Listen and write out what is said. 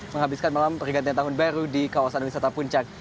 menghabiskan malam pergantian tahun baru di kawasan wisata puncak